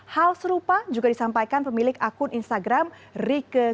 hal serupa juga disampaikan pemilik akun instagram rike